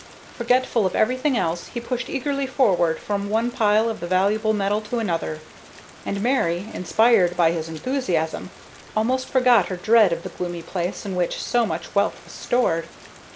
Forgetful of everything else, he pushed eagerly forward from one pile of the valuable metal to another, and Mary, inspired by his enthusiasm, almost forgot her dread of the gloomy place in which so much wealth was stored.